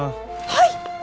はい！